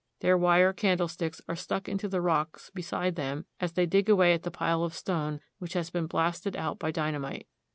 Their wire candlesticks are stuck into the rocks beside them as they dig away at the pile of stone which has been blasted out by dynamite.